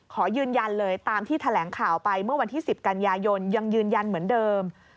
ขอยืนยันเลยตามที่แถลงข่าวไปเมื่อวันที่๑๐กันยายนยังยืนยันเหมือนเดิม